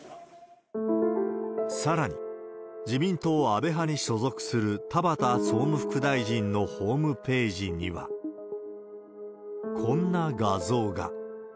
さらに、自民党安倍派に所属する田畑総務副大臣のホームページには、こんな画像が。